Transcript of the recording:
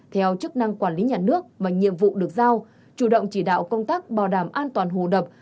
theo chức năng quản lý nhà nước và nhiệm vụ được giao chủ động chỉ đạo công tác bảo đảm an toàn hồ đập